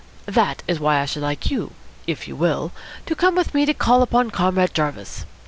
That is why I should like you, if you will, to come with me to call upon Comrade Jarvis.